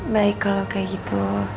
baik kalau kayak gitu